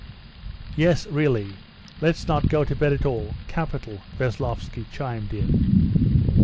"Yes, really, let's not go to bed at all! Capital!" Veslovsky chimed in.